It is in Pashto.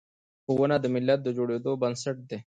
ښوونه د ملت د جوړیدو بنسټ دی.